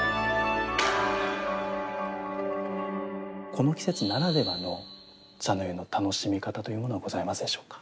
この季節ならではの茶の湯の楽しみ方というものはございますでしょうか？